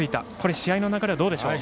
試合の流れはどうでしょうか。